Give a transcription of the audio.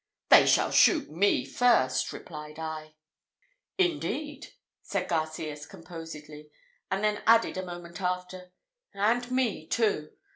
"They shall shoot me first!" replied I. "Indeed!" said Garcias, composedly, and then added, a moment after, "and me too.